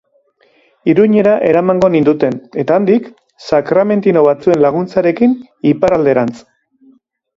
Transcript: Iruñera eramango ninduten, eta handik, sakramentino batzuen laguntzarekin, Iparralderantz.